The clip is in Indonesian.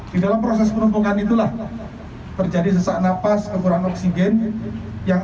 di dalam proses penumpukan itulah terjadi sesak nafas kekurangan oksigen yang